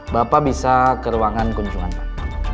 bapak bisa ke ruangan kunjungan pak